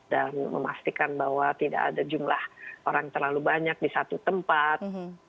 dan memastikan bahwa tidak ada jumlah orang yang terlalu banyak di satu tempat